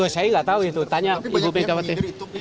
saya nggak tahu itu tanya ibu megawati